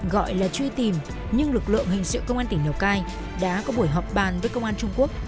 gọi là truy tìm nhưng lực lượng hình sự công an tỉnh lào cai đã có buổi họp bàn với công an trung quốc